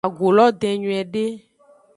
Agu lo den nyuiede.